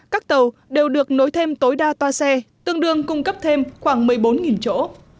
các tàu đều được nối thêm tối đa toa xe tương đương cung cấp thêm khoảng một mươi bốn chỗ